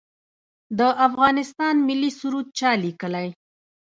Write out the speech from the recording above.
د افغانستان ملي سرود چا لیکلی؟